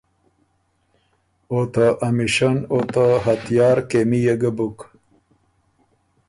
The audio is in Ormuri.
او ته امیشن او ته هتیار کېمي يې ګۀ بُک۔